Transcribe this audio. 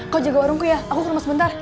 kau jaga warungku ya aku ke rumah sebentar